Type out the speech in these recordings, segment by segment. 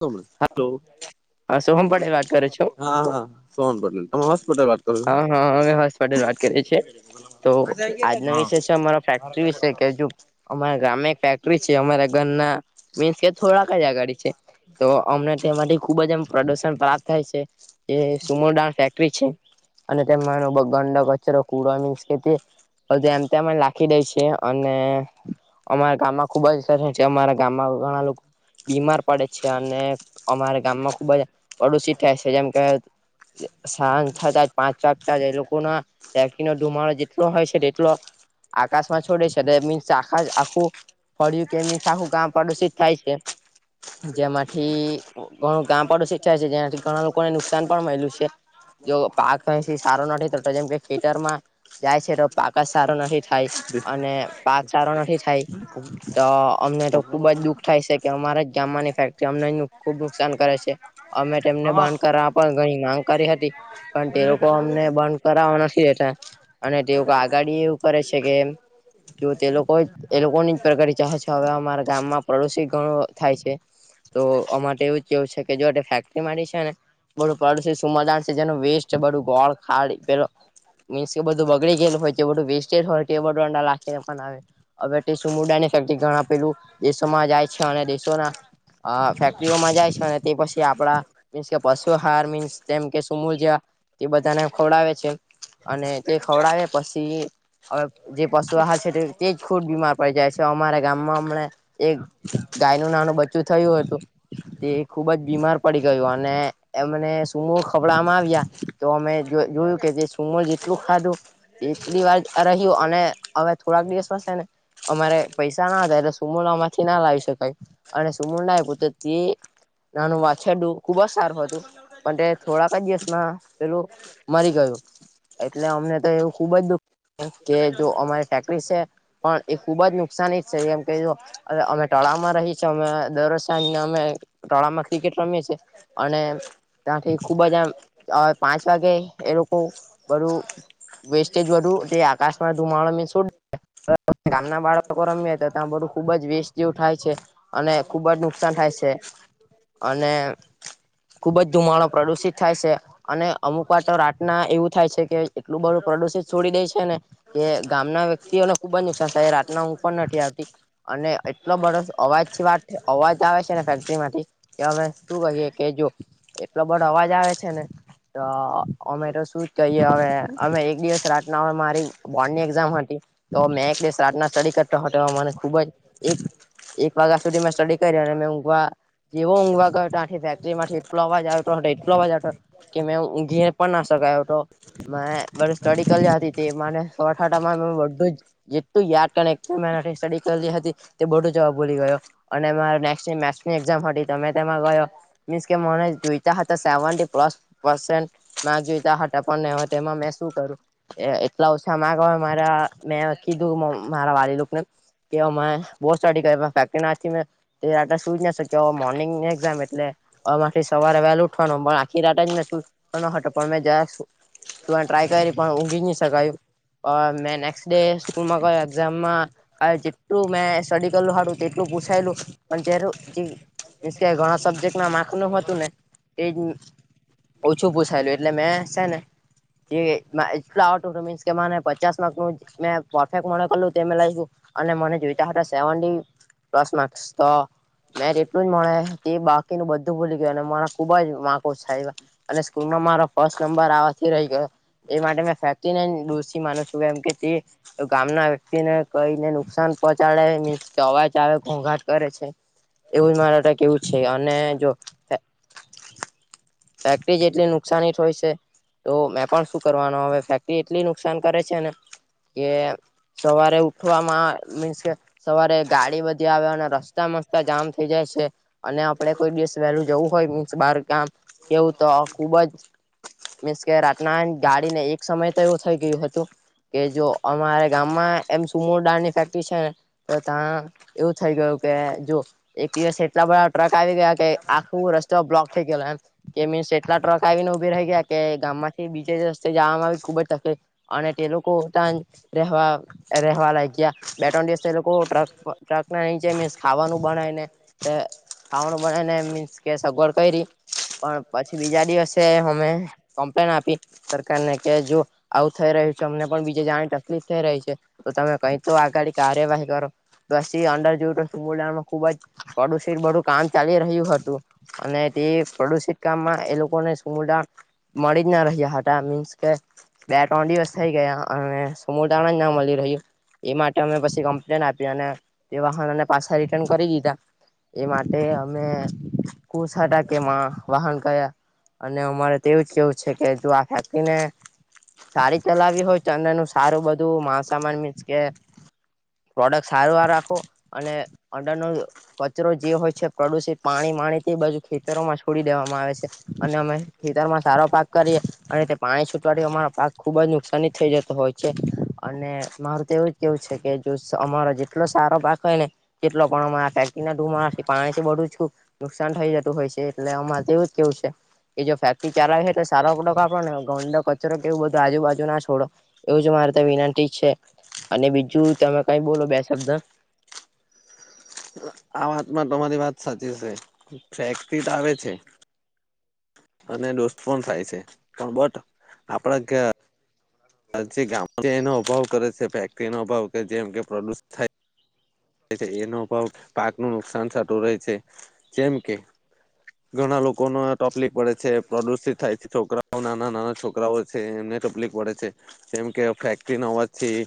Hello, હા સોહમ પટેલ વાત કરો છો હા, હા સોહન, [unintelligible] છો? હા, હા અમે હોસપટેલ, વાત કરીએ છીએ. તો આજનો વિષય છે, અમારો ફેક્ટરી વિશે કેજો અમારા ગામે ફેક્ટરી છે, અમારા ઘરના મીન્સ કે થોડાક જ અગાડી છે, તો અમને તેરી ખુબજ એમ પ્રદુષણ પ્રાપ્ત થાય છે, જે સુમર ડાળ ફેક્ટરી છે. અને તેમાનો ગંદો કચરો કુડાની સ્થિતિ. હ જેમ તેમ નાખી દે છે, અને અમારા ગામમાં ખુબ જ જે, અમારા ગામમા ઘણા, લોકો. બીમાર પડે છે, અને અમારા ગામમાં ખુબજ પડોશી થાય છે, જેમ કે સાંજ થાતા. પાંચ સાથ, સાથ એ લોકોના ફેક્ટરી નો ધુમાડો એટલો હોય છે, એટલો આકાશમાં છોડે છે તે મીન્સ આખા જ આખું ફળ્યું કે મીન્સ આખું ગામ પ્રદુષિત થાય છે જેમાંથી ઘણું ગામ પડો શચાય છે જેનાથી ઘણા લોકોને નુકસાન પણ મયલુ છે જો [inaudible] પાક અહીંથી સારો નથી થતો જેમ કે ખેતર માં જાય છે તો પાક જ સારો નથી થાય અને પાક સારો નથી થાય તો અમને તો ખુબ જ દુઃખ થાય છે કે અમારા જ ગામમાંની ફેક્ટરી અમને ખુબ નુકસાન કરે છે અમે તેમને બંધ કરવા પણ ઘણી માંગ કરી હતી પણ તે લોકો અમને બંધ કરાવાના અને તેઓ આગાડી એવું કરે છે કે જો તે લોકો એ લોકોની જ પ્રકાર ચાહ છે હવે અમારા ગામમાં પડોશી ઘણું થાય છે. તો આ માટે એવું જ કેવું છે કે જો ફેક્ટરી માંરી છે ને પાડોશ સુમદાણ છે જેનું વેસ્ટ છે બધું ગોળ ખાડી પેલો મીન્સ કે બધું બગડી ગયેલ હોય છે બધું વેસ્ટેજ હોયં તે બધું અંદર રાખીને બનાવે હવે તે સમુદાય ને [unintelligible] પેલું દેશોમાં જાય છે અને દેશોના અ ફેક્ટરીઓમાં જાય છે અને તે પછી આપડા મીન્સ કે પશુ હાર મીન્સ જેમ કે સુમૂલ જેવા તે બધાને ખવડાવે છે અને તે ખવડાવે પશી હવે જે પશુ આહાર છે તેજ ખુટ બીમાર પડી જાય છે અમારા ગામમાં હમને એક ગાયનું નાનું બચ્ચું થયું હતુ તે ખુબ જ બીમાર પડી ગયુ અને એમને સુુંમુ ખવડાવવામાં આવ્યા તો અમે જોયું કે જે સુંમુ જેટલું ખાધું એટલી વાર રહ્યો અને હવે થોડાક દિવસમાં શે ને અમારે પૈસા ના હતા એટલે સુમુના અમારાથી ના લાવી શકાય અને સુમૂણ ના આયપુ તેથી નાનું વાછરડું ખુબ જ સારું હતું પણ તે થોડાક જ દિવસમાં પેલું મરી ગયું એટલે અમને તો એવું ખુબ જ દુખ કે જો અમારી ફટેક્ટરી છે પણ એ ખુબ જ નુકસાની છે કેમકે જો હવે અમે તળાવમાં રહી છે અમે દર વષ અમે ટળામાં ક્રિકેટ રમીએ અને ત્યાંથી ખુબ જ આમ અ પાંચ વાગે એ લોકો બધું વેસ્ટેજ વધુ એ આકાશમાં ધુમાડા છો ગામના બાળકો રમ્યે તો ત્યાં બધું ખુબ જ વેસ્ટ જેવું થાય છે અને ખુબ જ નુકસાન થાય છે અને ખુબ જ ધુમાડો પ્રદુષિત થાય છે અને અમુક વાર તો રાતના એવું થાય છે કે એટલું બધું પ્રદુષિત છોડી દેય છે ને કે ગામના વ્યક્તિઓને ખૂબ જછ રાતના ઊંઘ પણ નથી આવતી અને એટલો બધો અવાજ વાત અવ અવાજ આવે છે ને ફેક્ટરી માંથી કે અમે શું કહીએ કે જો એટલો બધો અવાજ આવે છે ને તો અમે તો શું જ કહીએ હવે અમે એક દિવસ રાતના હોય મારી બોર્ડ ની એક્ઝામ હતી તો મેં એક દિવસ રાતના સ્ટડી કરતા હતો મને ખુબ જ એક એક વાગ્યા સુધી મેં સ્ટડી કરી અને મે ઊંઘવા જેવો ઊઘવા ગયો હતો આ ફેક્ટરી માંથી એટલો અવાજ આવ્યો હતો એટલો અવાજ આવ કે મે ઉંઘીને પણ ના શકાય હતો મે બર સ્ટડી કરલી હતી તે મને સો અઠ બધું જેટલું યાદ કરી એટલું મેં સ્ટડી કરલી હતી તે બધુ જ ભૂલી ગયો અને મારે નેક્સ્ટ મેથસની એક્ઝામ હતી તો તેમા મીન્સ કે મને જોઈતા હતા સેવનટી પ્લસ પેરેન્ટ્સ માર જોતા હતા પણ નહી હોય તેમાં મે શું કરું એટલા ઓછા માર્ક હોય મારા મે કીધું મારા વાલીલોકને કે અમે બો સ્ટડી કર ફક ના સુું જ ના શક્યો મોર્નિંગ એઝામ એટલે આમાંથી સવારે વહેલુ ઉંઠવાનું આખી રાતે જ ન હતો પણ મે જયા તુવાનું ટ્રાય કયરી પણ ઊંઘી ની શકાયું અ મે નેક્સ્ટ ડે સ્કૂલમાં એઝામમાં જેટલુ મે સ્ટડી કરેલું હતું તેટલું પૂછાયેલું પણ ત્યારુ મીન્સ કે ઘણા સબ્જેક્ટ ના માખનું હતું ને તેજ ઓછું પૂછાયેલું એટલે મેં છે ને જે એટલું આવડતું હતું મીન્સ કે મને પચાસ માર્ક નું મે પરફેક્ટ મોડે કરલું તે મન લાયગું અને મને જોઈતા હતા સેવની પ્લસ માકસ તો મે એટલું જ મળે કે બાકીનું બધું ભૂલી ગયું અને મારા ખુબ જ માર્ક ઓછા આવ્યા અને સ્કૂલમાં મારો ફર્સ્ટ નંબર આવાથી રહી ગયો એ માટે મેં ફેકીને દોશી માનું છું કેમ કે તે ગામના વ્યક્તિને કઈને નુકસાન પહોચાડે નિસ અવાજ આવે ઘોંઘાટ કરે છે એવું મારે કેવુ છે અને જો એ ફેક્ટરી જેટલી નુકસાની જ હોય છે તો મે પણ શું કરવાનું હવે ફેક્ટરી એટલી નુકસાન કરે છે ને કેએ સવારે ઉઠવામાં મીન્સ કે સવારે ગાડી બધી આવે અને રસ્તા મસ્ત જામ થઇ જાય છે અને આપડે કોઈ દિવસ વહેલું જવું હોય મીન્સ બાર કામ કેવું તો ખુબ જ મીન્સ કે રાતના ગાડીને એક સમય તો એવું થઈ ગયું હતું કે જો અમારે ગામમાં એપ સુમોર ડાળની ફેક્ટરી છે ને, તો ત્યા એવું થઈ ગયું કે જો એક દિવસ એટલા લા ટ્રક આવી ગયા કે આખું રસ્તો બ્લોક થઈ ગયેલો એમ કે મીન્સ એટલા ટ્રક આવીને ઉભી રહી ગયા કે, ગામ માંથી બીજે રસ્તે જવામાં આવી ખુબ જ તકલીફ અનેતે તે લોકો તાંજ રહેવા રહેવા લાગ્યા બેત્રણ દિવસ એ લોકો ટ્રક પ ટ્રકના ઇચ જે મીન્સ ખાવાનું બનાયને રે ખાવાનું બનાયને મીન્સ કે સગવડ કઇરી પણ પછી બીજા દિવસે અમે કમ્પ્લેન આપી સરકારને કે જો આવું થઈ રહ્યું તમને પણ બીજે જાવાણી તકલીફ થઈ રહી છે, તો તમે કઈ તો આગળ કાર્યવાહી કરો પછ જોયુતુ મોલ્લામા ખુબ જ પ્રદુષિત બધુ કામ ચાલી રહ્યું હતું, અને તે પ્રદુષિત કામમાં એ લોકોને સુમડા મળી જ ના રહ્યા હતા, મીન્સ કે બે ત્રણ દિવસ થઈ ગયા અને સમૂતા જ ના મળી રહ્યું એ માટે અમે પછી કમ્પ્લેન આપી અને તે વાહનો ને પાછા રિટર્ન કરી દીધા એ માટે અમે કોસાડા કેમાં વાહન કયા અને અ મારે તો એવું જ કેવું છે કે તુ આ હેપ્પીને સારી ચલાવી હોય ચંદ્ર નું સારું બધું માસામાન મીન્સ કે પ્રોડક્ટ સારવાર રાખો અને અડરનો કચરો જે હોય છે પ્રદુષિત પાણી માણી તે બાજુ ખેતરોમાં છો છોડી દેવામાં આવે છે, અને અમે ખેતરમાં સારો પાક કરીએ અને તે પાણી છૂટવાથી અમારા પાક ખૂબ જ નુકસાની થઈ જતો હોય છે, અને મારું તો એવું જ કેવું છે કે જો સ અમારો જેટલો સારો પાક હોયને જેટલો પણ મા ફેક્ટરી ના ધુમાડા થી પાણીથી બધુંછુ નુકસાન થઈ જતું હોય છે એટલે અમાર તો એવુજ કેવું છે કે જો ફેક્ટરી ચાલહે તો સારો પ્રોડક્ટ આપડો ને ગોંદો કચરો કે એવું બધું આજુબાજુ ના છોડો એવું જ મારે ત વિનંતી જ છે અને બીજું તમે કઈ બોલો બે શબ્દ આ વાતમાં તમારી વાત સાચી શે ફકરીટ તો આવે શે અને દોસ્ત પણ થાય છે પણ બટ આપડાકા અજે ગામ જે એનો અભાવ કરે છે ફેક્ટરીનો અભાવ કે જેમ કે પ્રદુષિત થાય છે એનો અભાવ પાકનું નુકસાન સાટું રહે છે જેમ કે ઘણા લોકો નો ટોપલીક પડે છે પ્રદુષિત થાય છે છોકરાઓ નાના નાના છોકરાઓ છે ને તકલીફ પડે છે જેમ કે ફેક્ટરી હોવાથી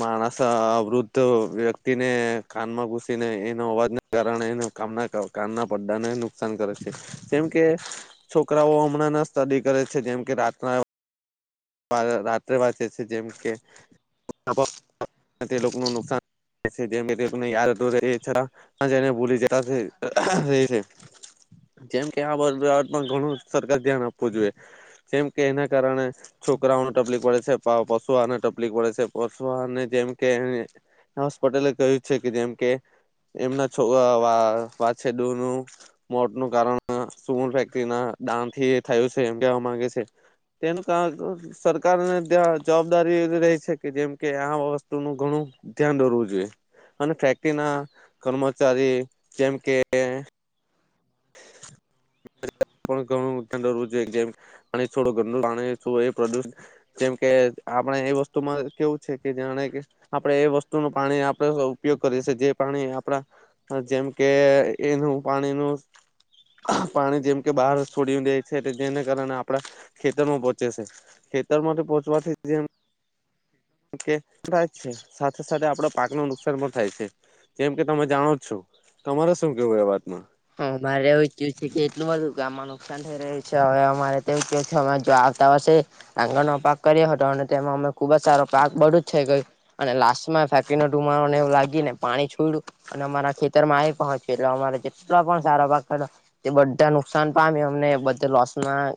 માણસ વૃદ્ધ વ તીને કાનમાં ઘૂસીને એનો અવાજને કારણે એ કના કાનના પડ્ડાને નુકસાન કરે છે, જેમ કે છોકરાઓ હમણાં ના સ્ટડી કરે છે જેમ કે રાતના રાત્રે વાંચે છે જેમ કે [unintelligible] તે લોકો ન નુકસાન જેમ કે યાર તોને [unintelligible] જેમકે આ [unintelligible] ઘણું સરકાર ધ્યાન આપવું જોઈએ જેમ કે એના કારણે છોકરાઓને તકલીફ પડે છે પશુ આને તકલીફ પડે છે પશુ આને જેમકે હર્ષ પટેલે કહ્યું છે કે જેમ કે એમના છો વાઅ વાછડુ નું મોત નું કારણ સુમૂલ ફેક્ટરી ના દાન થી થયું છે, એમ કેવા માંગે છે, તેનું ક સરકારને જવાબદારી રહી છે, કે જેમ કે આ ન ઘણું ધ્યાન દોરવુ, જોઈએ અને ફેક્ટરીના કર્મચારી, જેમ કે બ પણ ઘણુંરવું જોઈએ, કેમ પાણી છોડો, ઘ પાણી જેમ કે આપણે એ વસ્તુમાં કેવું છે, કે જાણે આપડણે એ વસ્તુ ન પાણી આપણે ઉપયોગ કરીએીએ જે પાણી. આપડા જેમ, કે એનું પાણી નુ પાણી જેમ કે બહાર છોડી દાય છે, જેને કારણે આપડા ખેતરમાં પહોંચે છે, ખેતરમાં માટે પહોંચવાથી, જેમ મ કે થાય છે, સાથે, સાથે આપડો પાક ન નુકસાન પણ થાય છે, જેમ કે તમે જાણો છો. તમારે શું કેવું એ વાત હ મારેું એવુ છે, કે એટલું બધું ગામનુ થઈ રહ્યું છે, હવે અમારે આવતા આંગણ નો પાક કર્યો હતો અને તમ ખુબ જ સારો પાક બડું જ છેઈ ગયું, અને લાસ્ટ માં ફેંકીને ડુમા ને એું લાગી, ને પાણી છોય્યું અને અમારા ખેતરમા આવી પહોંચ્યું, એટલે અમારે જેટલો પણ સારા પાક તે બધ નુકસાન પામ્યું અમને બધું લોસમાં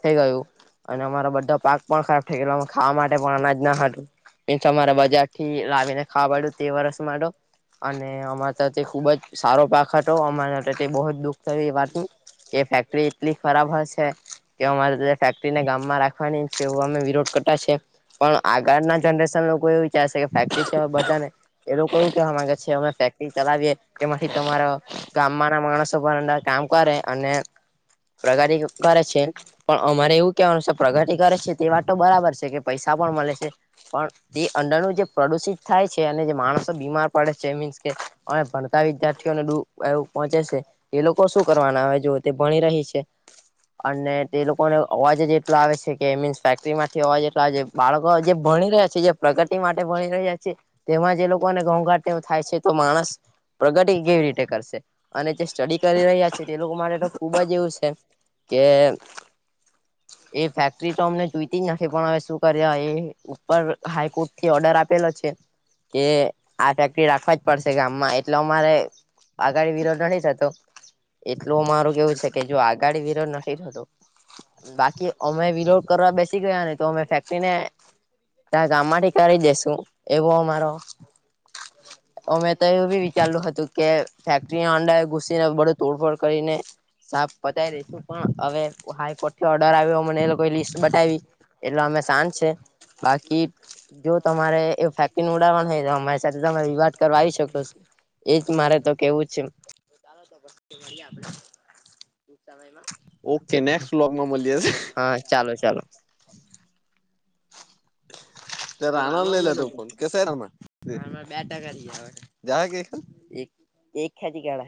થઈ, ગયું. અને અમારો બધો પાક પણ ખરાબ થઈ, ગ એલો ખાવા માટે પણ અનાજ ના હ એ તમારા બજાર થી, લાવીને ખાવાડ્યું તે વરષ મારો- અને અમારા તો તે ખુબજ સારો, પાક હતો અમારા બહુ જ દુઃખ થયું, એ વાતની. એ ફેક્ટરી એટલી ખરાબ હોય છે, કે અમારે ફેક્ટરીને ગામમા રાખવાની, એવુ અમે વિરોધ કર પણ આગળ ના જરેશન લોકો, એ વિચ ફક બધાને, એ ક કે અમે ફેક્ટરી ચલાવીએ, એમાંથી તમારો ગામમા ના માણસો પણ અંદર કામ કરે, અને પ્રગતિ કરે છે, પણ અમારે એવું કેવાનું છે પ્રગતિ કરે છે, તે વાત તો બરાબર છે, કે પૈસા મળે છે, પણ તે અંરનું જે પ્રદુષિત થાય છે, અને જે માણસો બીમાર પડે છેી અને ભણતા વિદ્યાર્થીઓને એવું પહોંચે છે, એ લોકો શું કરવાના આવે જો તે ભણી રહી છે, અને તે લોકોને અવાજ એટલા આવે છે, કે મીન્સ ફેક્ટરી માંથી અવા જેટલા બાળકો જે ભણી રહ્યા છે, જે પ્રગતિ માટે ભણી રહ્યા છે. તેમાં જે લોકોને ઘઉંઘાટ થાય છે, તો માણસ પ્રગતિ કેવી રીતે કરશે. અને જે સ્ટડી કરી રહ્યા છે, તે લોકો માટે તો ખુબ જ એવું છે કે એ ફેક્ટરી, તો અમને જોઈતી જ નથી, પણ હવે શું કર્યા એ ઉપર હાઈકોર્ટ થી ઓર્ડર આ ફેક્ટરી રાખવા જ પડશે ગામમા એટલે અમારે આગા વિરોધ ન થતો, એટલું મારું કેવું છે, કે જો આગાડી વિરોધ નથીતો બાકી અમે વિલો કરવા બેસી ગયા નહ, તો અમે ફેક્ટરીને ત ગામમાંથી, કરી દસુ એવો અમારો અમે તો એવું બી લુ હતુ, કે ફેક્ટરીના અંડે ઘુસીને, બડું તોડફોડ કરીને સાપ પતાવીી દઈશુ, પણ હવે હાઈકોર્ટ થી ઓર્ડર આવ્યો મને એઈ લિસ્ટ બતાવી, એટલે અમે. સાન છે, બાકી જો તમારે એ ઉડાવાઈ અમારી સાથે, તમે વિવાદ કરવા આવી શકો છો, એજ મારે તો કેવું છે. ચાલો તો મળએ, આપડે. ઓકે છે નેક્, વ્લોગમાં મળી જશે હા [inaudible] ત આણંદ લઈ, લે તું ફન કેસાઈ રામાં બે ટકા, લ એક ખાચ ગળ